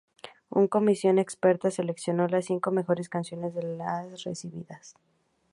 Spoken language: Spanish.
Una comisión experta seleccionó las cinco mejores canciones de las recibidas.